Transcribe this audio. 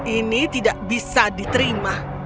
ini tidak bisa diterima